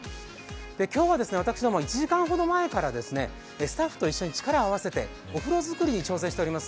今日は私ども１時間ほど前からスタッフと一緒に力を合わせてお風呂造りに挑戦しています。